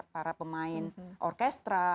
para pemain orkestra